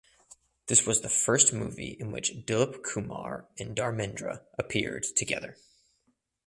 This was the first movie in which Dilip Kumar and Dharmendra appeared together.